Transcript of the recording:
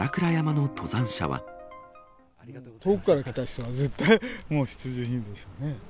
遠くから来た人は絶対もう、必需品でしょうね。